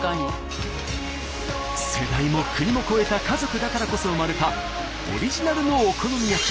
世代も国も超えた家族だからこそ生まれたオリジナルのお好み焼き。